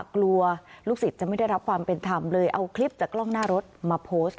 กลัวลูกศิษย์จะไม่ได้รับความเป็นธรรมเลยเอาคลิปจากกล้องหน้ารถมาโพสต์